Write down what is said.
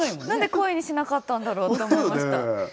何で鯉にしなかったんだろうって思いました。